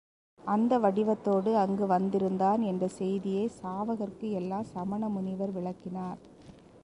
அந்த வடிவத்தோடு அங்கு வந்திருந்தான் என்ற செய்தியைச் சாவகர்க்கு எல்லாம் சமணமுனிவர் விளக்கினார்.